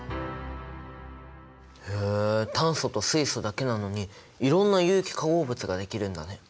へえ炭素と水素だけなのにいろんな有機化合物ができるんだね。